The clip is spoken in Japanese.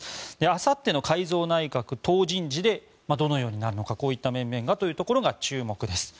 あさっての改造内閣、党人事でどのようになるのかこういった面々がといったところが注目です。